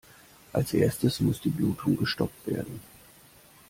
Als Erstes muss die Blutung gestoppt werden.